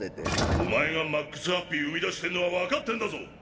お前がＭＡＸＨＡＰＰＹ生み出してんのは分かってんだぞ！